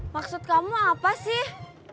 maksud kamu apa sih